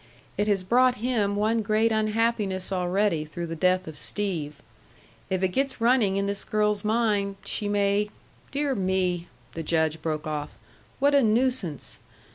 It has brought him one great unhappiness already through the death of Steve. If it gets running in this girl's mind, she may dear me!" the Judge broke off, "what a nuisance!"